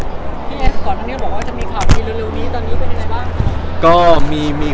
พี่เอสก่อนหน้านี้บอกว่าจะมีข่าวดีเร็วนี้ตอนนี้เป็นยังไงบ้าง